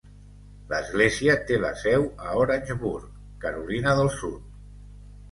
L'església té la seu a Orangeburg, Carolina del Sud.